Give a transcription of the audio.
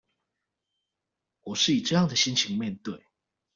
我是以這樣的心情面對